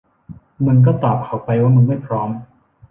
มึงก็ตอบเขาไปว่ามึงไม่พร้อม